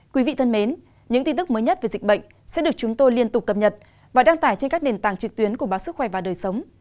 quý vị thân mến những tin tức mới nhất về dịch bệnh sẽ được chúng tôi liên tục cập nhật và đăng tải trên các nền tảng trực tuyến của báo sức khỏe và đời sống